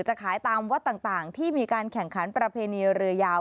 จะขายตามวัดต่างที่มีการแข่งขันประเพณีเรือยาว